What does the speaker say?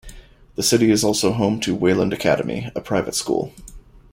The city is also home to Wayland Academy, a private school.